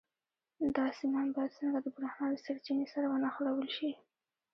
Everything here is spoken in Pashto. دا سیمان باید څنګه د برېښنا له سرچینې سره ونښلول شي؟